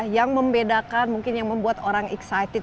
yang membedakan mungkin yang membuat orang excited